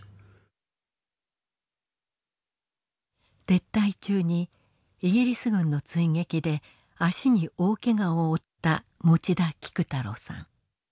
撤退中にイギリス軍の追撃で足に大けがを負った持田菊太郎さん。